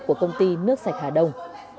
của công ty nước sạch hà đông